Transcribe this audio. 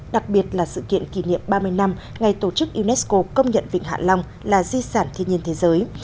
đặc biệt là sự kiện kỷ niệm ba mươi năm ngày tổ chức unesco công nhận vịnh hạ long là di sản thiên nhiên thế giới